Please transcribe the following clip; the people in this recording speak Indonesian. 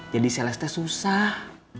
jadi salesnya susah